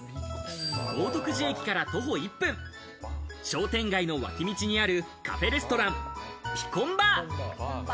豪徳寺駅から徒歩１分、商店街の脇道にあるカフェレストラン・ＰＩＣＯＮＢＥＲ。